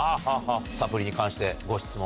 サプリに関してご質問。